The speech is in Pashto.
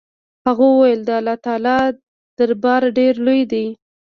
هغه وويل د الله تعالى دربار ډېر لوى دې.